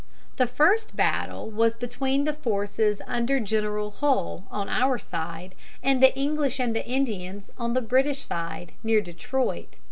] The first battle was between the forces under General Hull on our side and the English and Indians on the British side, near Detroit.